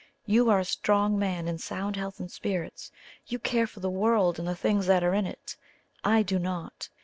You are a strong man, in sound health and spirits; you care for the world and the things that are in it. I do not.